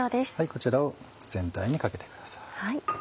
こちらを全体にかけてください。